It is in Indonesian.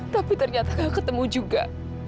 tapi ternyata kamu ketemu juga